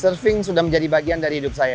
surfing sudah menjadi bagian dari hidup saya